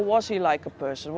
bagaimana dia seperti orang